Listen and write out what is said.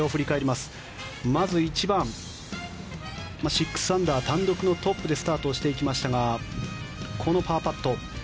まず１番、６アンダー単独のトップでスタートしていきましたがこのパーパット。